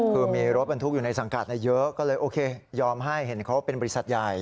คือมีรถบรรทุกอยู่ในสังกัดเยอะก็เลยโอเคยอมให้เห็นเขาเป็นบริษัทใหญ่